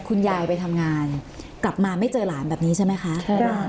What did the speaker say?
คุณยายไปทำงานกลับมาไม่เจอหลานแบบนี้ใช่ไหมคะใช่ค่ะ